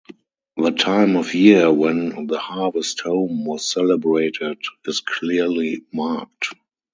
The time of year when the harvest-home was celebrated is clearly marked.